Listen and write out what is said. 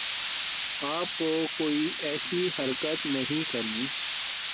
آپ کو کوئی ایسی حرکت نہیں کرنی